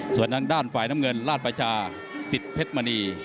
ส่วนทางด้านฝ่ายน้ำเงินราชประชาสิทธิ์เพชรมณี